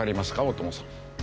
大友さん。